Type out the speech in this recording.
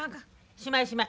しまいしまい。